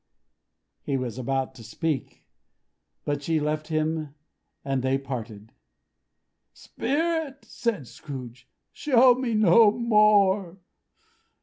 He was about to speak; but she left him and they parted. "Spirit!" said Scrooge, "show me no more!